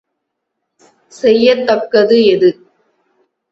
செய்யத் தக்கது எது?